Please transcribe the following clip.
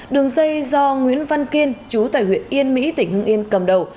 đường dây do nguyễn văn kiên chú tại huyện yên mỹ tỉnh hưng yên cầm đầu